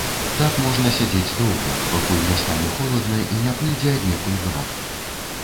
Так можна сядзець доўга, пакуль не стане холадна і не прыйдзе аднекуль брат.